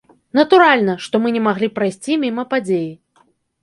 Натуральна, што мы не маглі прайсці міма падзеі.